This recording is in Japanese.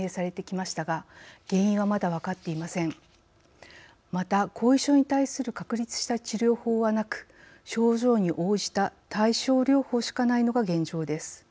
また、後遺症に対する確立した治療法はなく症状に応じた対症療法しかないのが現状です。